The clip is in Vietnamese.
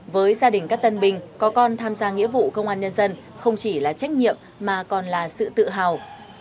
với gia đình các tân bình có con tham gia nghĩa vụ công an nhân dân không chỉ là trách nhiệm mà còn là sự tự hào